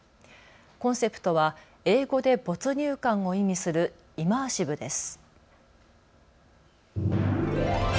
コンセプトは英語で没入感を意味するイマーシブです。